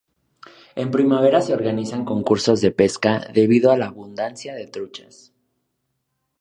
En primavera se organizan concursos de pesca debido a la abundancia de truchas.